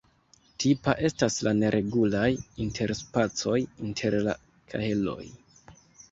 Tipa estas la neregulaj interspacoj inter la kaheloj.